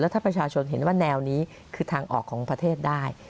ถ้าประชาชนเห็นว่าแนวนี้คือทางออกของประเทศได้